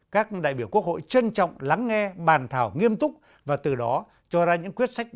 các đại biểu quốc hội trân trọng lắng nghe bàn thảo nghiêm túc và từ đó cho ra những quyết sách